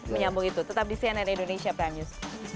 menyambung itu tetap di cnn indonesia prime news